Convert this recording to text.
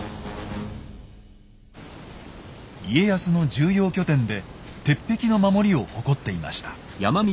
家康の重要拠点で鉄壁の守りを誇っていました。